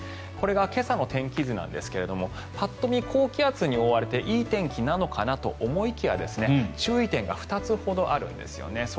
これが今朝の天気図なんですがパッと見、高気圧に覆われていい天気なのかなと思いきや注意点が２つほどあるんですね。